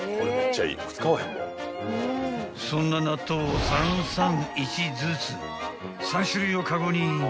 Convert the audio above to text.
［そんな納豆を３・３・１ずつ３種類をカゴにイン］